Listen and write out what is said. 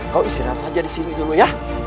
kau istirahat saja disini dulu ya